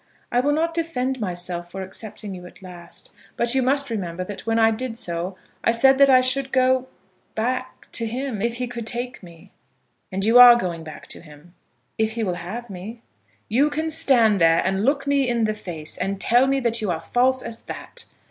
"I will not defend myself for accepting you at last. But you must remember that when I did so I said that I should go back to him, if he could take me." "And you are going back to him?" "If he will have me." "You can stand there and look me in the face and tell me that you are false as that!